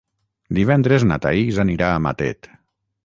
Divendres na Thaís anirà a Matet.